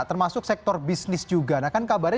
termasuk sektor bisnis juga nah kan kabarnya